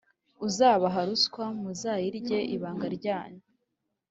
uzabaha ruswa muzayirye ibanga ryanyu